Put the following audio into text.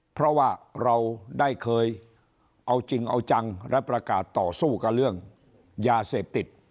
เพราะว่าเราได้เคยเอาจริงเอาจังและประกาศต่อสู้กับเรื่องยาเสพติด